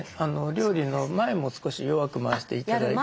料理の前も少し弱く回して頂いて。